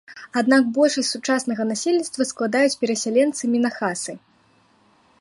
Аднак большасць сучаснага насельніцтва складаюць перасяленцы-мінахасы.